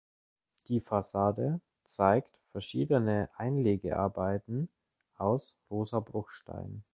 Die Fassade zeigt verschiedene Einlegearbeiten aus rosa Bruchstein.